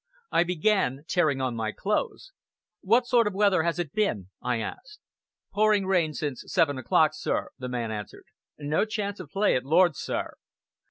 I began tearing on my clothes. "What sort of weather has it been?" I asked. "Pouring rain since seven o'clock, sir!" the man answered. "No chance of play at Lord's, sir!"